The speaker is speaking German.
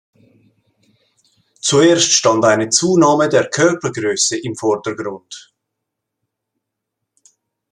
Zuerst stand eine Zunahme der Körpergröße im Vordergrund.